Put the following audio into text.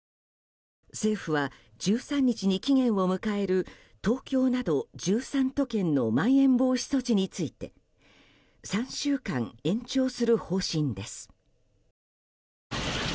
政府は、１３日に期限を迎える東京など１３都県のまん延防止措置について３週間延長する方針です。